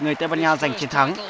người tây ban nha giành chiến thắng